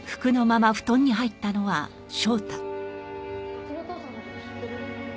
うちのお父さんの事知ってる？